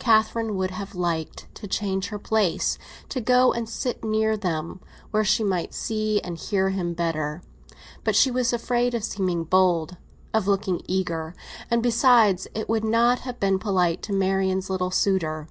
Catherine would have liked to change her place, to go and sit near them, where she might see and hear him better. But she was afraid of seeming bold—of looking eager; and, besides, it would not have been polite to Marian's little suitor.